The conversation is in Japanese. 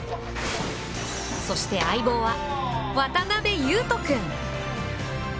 そして相棒は、渡辺優斗君。